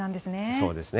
そうですね。